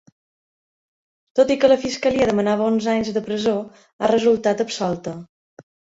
Tot i que la fiscalia demanava onze anys de presó, ha resultat absolta.